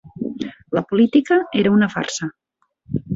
La política era una farsa